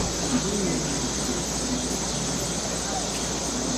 Iñeno.jitaiñede